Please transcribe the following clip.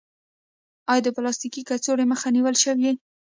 آیا د پلاستیکي کڅوړو مخه نیول شوې؟